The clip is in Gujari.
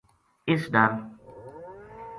اس ڈر